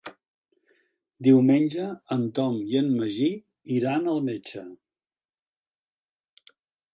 Diumenge en Tom i en Magí iran al metge.